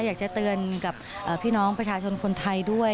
อยากจะเตือนกับพี่น้องประชาชนคนไทยด้วย